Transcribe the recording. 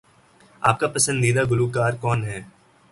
آپ کا پسندیدہ گلوکار کون ہے؟